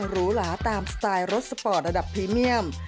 หรูหลาตามสไตล์รถสปอร์ตระดับพรีเมียม